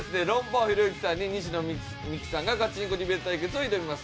王ひろゆきさんに西野未姫さんがガチンコディベート対決を挑みます。